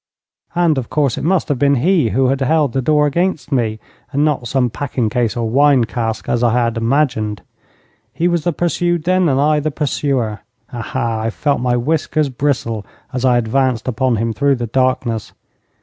And, of course, it must have been he who had held the door against me, and not some packing case or wine cask as I had imagined. He was the pursued then, and I the pursuer. Aha, I felt my whiskers bristle as I advanced upon him through the darkness!